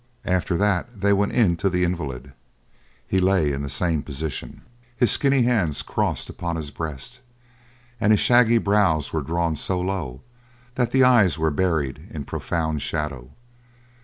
After that they went in to the invalid. He lay in the same position, his skinny hands crossed upon his breast, and his shaggy brows were drawn so low that the eyes were buried in profound shadow.